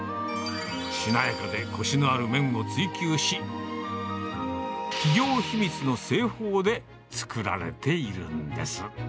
しなやかでこしのある麺を追求し、企業秘密の製法で作られているんです。